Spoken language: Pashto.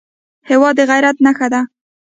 هېواد د غیرت نښه ده.